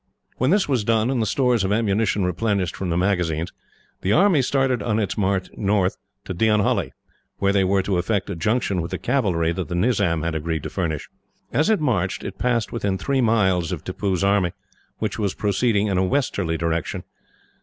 When this was done, and the stores of ammunition replenished from the magazines, the army started on its march north to Deonhully, where they were to effect a junction with the cavalry that the Nizam had agreed to furnish. As it marched, it passed within three miles of Tippoo's army, which was proceeding in a westerly direction.